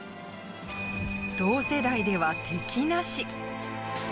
同世代では敵なし。